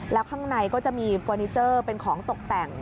แล้วข้างในก็จะมีเฟอร์นิเจอร์เป็นของตกแต่ง